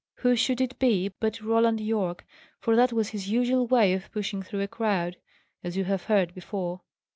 Who should it be, but Roland Yorke? For that was his usual way of pushing through a crowd; as you have heard before.